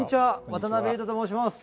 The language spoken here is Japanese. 渡辺裕太と申します。